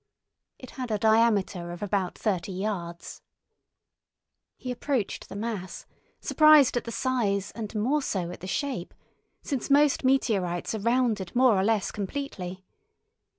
It had a diameter of about thirty yards. He approached the mass, surprised at the size and more so at the shape, since most meteorites are rounded more or less completely.